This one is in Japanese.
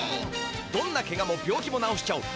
どんなケガも病気もなおしちゃう